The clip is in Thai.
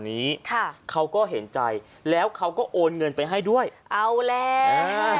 นี้ค่ะเขาก็เห็นใจแล้วเขาก็โอนเงินไปให้ด้วยเอาแล้วอ่า